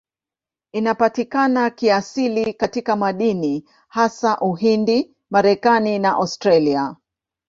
Inapatikana kiasili katika madini, hasa Uhindi, Marekani na Australia.